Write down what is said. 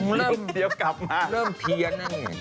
คุณผู้ชมเสริมเพี้ยน